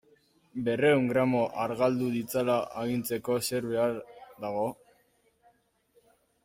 Berrehun gramo argaldu ditzala agintzeko zer behar dago?